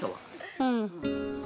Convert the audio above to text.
うん。